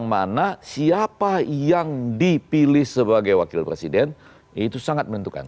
mana siapa yang dipilih sebagai wakil presiden itu sangat menentukan